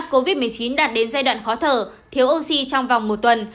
covid một mươi chín đạt đến giai đoạn khó thở thiếu oxy trong vòng một tuần